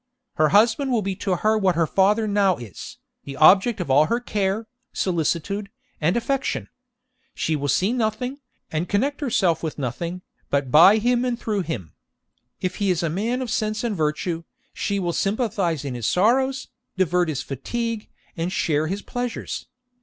Her husband will be to her what her father now is, the object of all her care, solicitude, and affection. She will see nothing, and connect herself with nothing, but by him and through him. If he is a man of sense and virtue, she will sympathise in his sorrows, divert his fatigue, and share his pleasures.